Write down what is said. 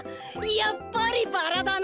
やっぱりバラだな！